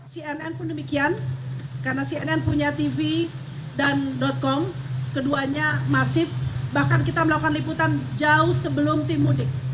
cnn pun demikian karena cnn punya tv dan com keduanya masif bahkan kita melakukan liputan jauh sebelum tim mudik